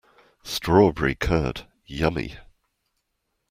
Strawberry curd, yummy!